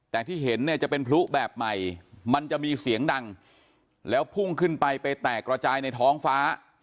แต่ที่เห็นเนี่ยจะเป็นพลุแบบใหม่มันจะมีเสียงดังแล้วพุ่งขึ้นไปไปแตกระจายในท้องฟ้า